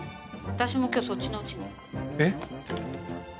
私も今日そっちのうちに行く。え？